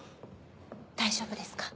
大丈夫ですか？